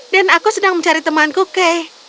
dan aku sedang mencari temanku kay